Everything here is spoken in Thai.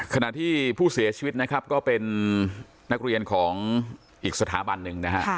ขณะที่ผู้เสียชีวิตนะครับก็เป็นนักเรียนของอีกสถาบันหนึ่งนะฮะ